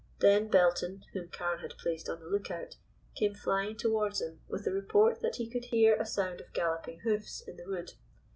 Then Belton, whom Carne had placed on the lookout, came flying towards them with the report that he could hear a sound of galloping hoofs in the wood.